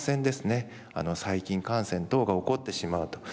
細菌感染等が起こってしまうと。